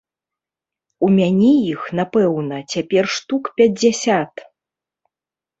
У мяне іх, напэўна, цяпер штук пяцьдзясят.